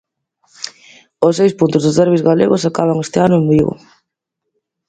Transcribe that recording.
Os seis puntos dos derbis galegos acaban este ano en Vigo.